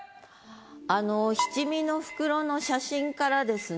あの七味の袋の写真からですね